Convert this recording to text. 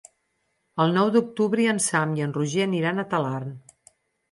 El nou d'octubre en Sam i en Roger aniran a Talarn.